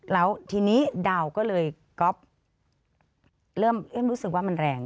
แล้วทีนี้ดาวก็เลยก๊อฟเริ่มรู้สึกว่ามันแรง